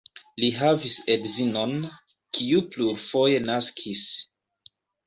Li havis edzinon, kiu plurfoje naskis.